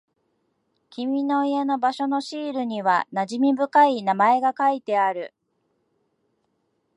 君の家の場所のシールには馴染み深い名前が書いてある。